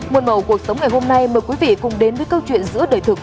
một mẫu cuộc sống ngày hôm nay mời quý vị cùng đến với câu chuyện giữa đời thực